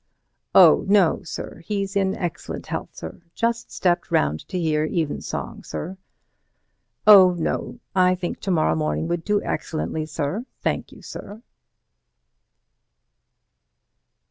Oh, no, sir, he's in excellent health, sir—just stepped round to hear Evensong, sir—oh, no, I think to morrow morning would do excellently, sir, thank you, sir."